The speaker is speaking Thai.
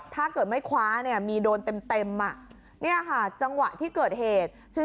ถ้าเกิดไม่คว้าเนี่ยมีโดนเต็มจังหวะที่เกิดเหตุ